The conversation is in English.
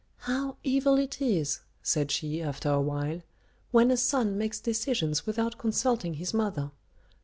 "How evil it is," said she, after a while, "when a son makes decisions without consulting his mother.